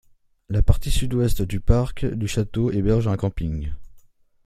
La partie sud-ouest du parc du château héberge un camping.